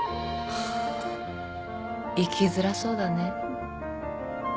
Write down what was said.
ハァ生きづらそうだね。